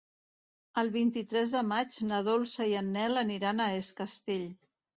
El vint-i-tres de maig na Dolça i en Nel aniran a Es Castell.